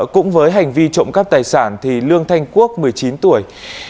cũng với hành vi trộm cắp tài sản thì lương thanh quốc một mươi chín tuổi